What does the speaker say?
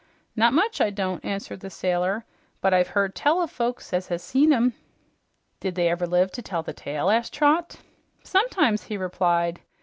"Not much I don't," answered the sailor, "but I've heard tell of folks as has seen 'em." "Did they ever live to tell the tale?" asked Trot. "Sometimes," he replied.